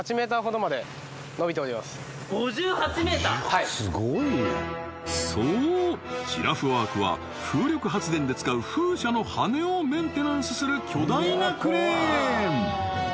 はいそうジラフワークは風力発電で使う風車の羽根をメンテナンスする巨大なクレーン